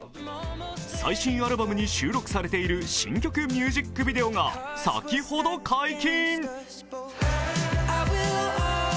最新アルバムに収録されている新曲ミュージックビデオが先ほど解禁。